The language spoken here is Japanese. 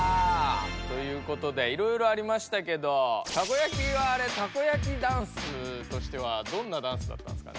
ということでいろいろありましたけどたこやきはあれたこやきダンスとしてはどんなダンスだったんですかね？